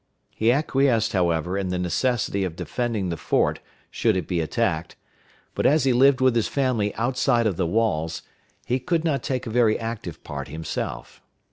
He acquiesced, however, in the necessity of defending the fort should it be attacked; but as he lived with his family outside of the walls, he could not take a very active part himself.